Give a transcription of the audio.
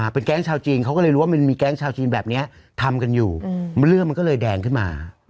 เป็นแก๊งชาวจีนเขาก็เลยรู้ว่ามันมีแก๊งชาวจีนแบบนี้ทำกันอยู่เรื่องมันก็เลยแดงขึ้นมา